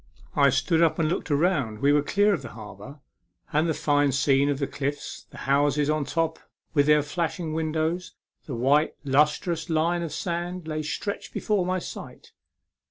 I stood up to look around. We were clear of 66 A MEMORABLE SWIM. the harbour ; and the fine scene of the cliffs, the houses on top, with their flashing windows, the white lustrous line of sands, lay stretched before my sight.